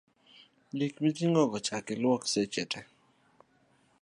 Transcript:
gik miting'ogo chak iluoko seche te